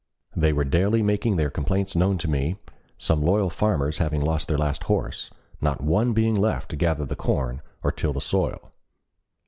They were daily making their complaints known to me, some loyal farmers having lost their last horse, not one being left to gather the corn, or till the soil.